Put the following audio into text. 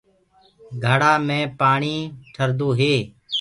گھڙآ مي پآڻي ٺردو هي۔